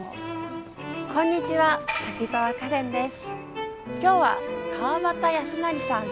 こんにちは滝沢カレンです。